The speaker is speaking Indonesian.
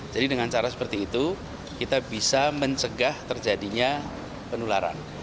jadi dengan cara seperti itu kita bisa mencegah terjadinya penularan